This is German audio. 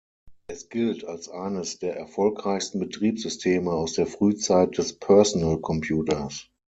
Es gilt als eines der erfolgreichsten Betriebssysteme aus der Frühzeit des Personal Computers.